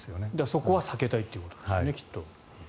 そこは避けたいということなんでしょうねきっと。